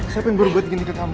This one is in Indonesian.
siapa yang baru buat gini ke kamu